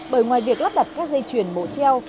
bởi ngoài việc lắp đặt các dây chuyền mổ treo